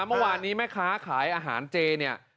เมื่อวานนี้แม่ค้าขายอาหารเจเนี่ย